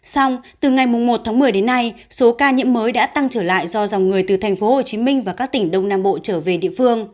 xong từ ngày một tháng một mươi đến nay số ca nhiễm mới đã tăng trở lại do dòng người từ tp hcm và các tỉnh đông nam bộ trở về địa phương